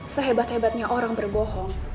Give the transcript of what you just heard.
sehebat hebatnya orang berbohong